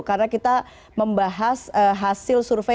karena kita membahas hasil survei yang dilakukan